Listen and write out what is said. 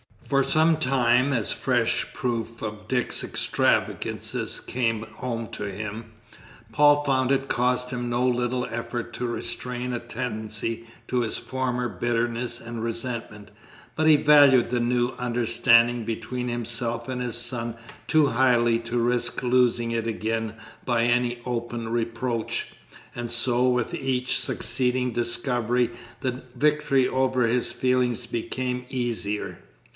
For some time, as fresh proof of Dick's extravagances came home to him, Paul found it cost him no little effort to restrain a tendency to his former bitterness and resentment, but he valued the new understanding between himself and his son too highly to risk losing it again by any open reproach, and so with each succeeding discovery the victory over his feelings became easier.